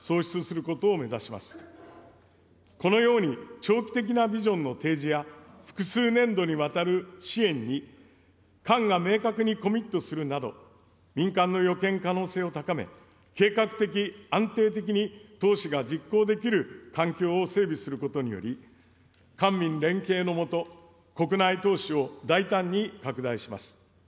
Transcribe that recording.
このように長期的なビジョンの提示や、複数年度にわたる支援に、官が明確にコミットするなど、民間の予見可能性を高め、計画的、安定的に投資が実行できる環境を整備することにより、官民連携の下、国内投資を大胆に拡大します。